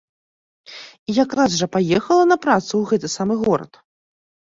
І якраз жа паехала на працу ў гэты самы горад.